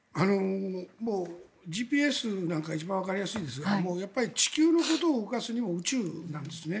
もうＧＰＳなんかが一番わかりやすいですが地球のことを動かすにも宇宙なんですね。